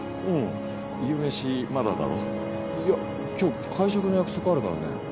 夕飯まだだろいや今日会食の約束あるからね。